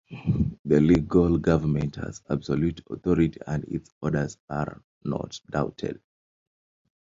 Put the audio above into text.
The legal government has absolute authority and its orders are not doubted.